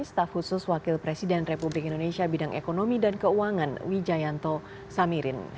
staf khusus wakil presiden republik indonesia bidang ekonomi dan keuangan wijayanto samirin